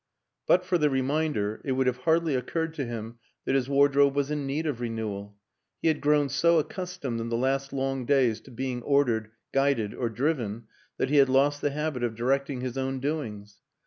But for the reminder it would have hardly occurred to him that his ward robe was in need of renewal; he had grown so accustomed in the last long days to being ordered, guided, or driven that he had lost the habit of directing his own doings.